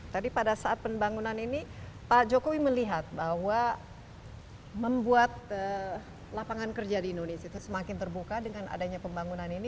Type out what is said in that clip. jadi pada saat pembangunan ini pak jokowi melihat bahwa membuat lapangan kerja di indonesia itu semakin terbuka dengan adanya pembangunan ini